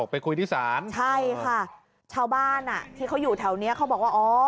ไปคุยที่ศาลใช่ค่ะชาวบ้านอ่ะที่เขาอยู่แถวเนี้ยเขาบอกว่าอ๋อ